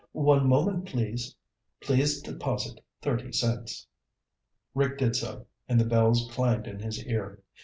"One moment, please. Please deposit thirty cents." Rick did so, and the bells clanged in his ear.